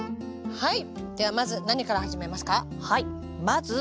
はい。